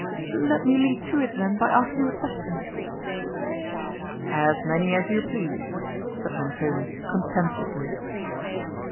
"Let me lead to it then, by asking a question." "As many as you please," said Montoni, contemptuously.